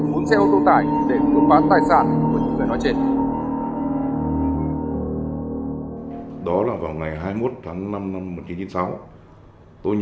vay của trần văn minh